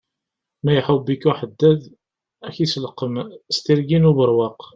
Ma iḥubb-ik uḥeddad, ak iselqem s tirgin ubeṛwaq.